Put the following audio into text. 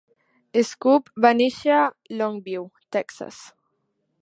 Scobee va néixer a Longview, Texas.